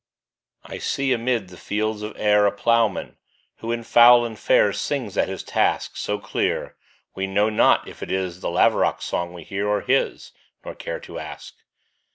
I SEE amid the fields of Ayr A ploughman, who, in foul and fair, Sings at his task So clear, we know not if it is The laverock's song we hear, or his, Nor care to ask.